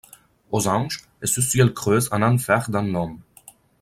Aux anges, et ce ciel creuse un enfer dans l’homme.